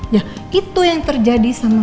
ya itu yang terjadi sama